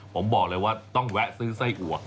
ผมบอกเลยว่าต้องแวะซื้อไส้อัว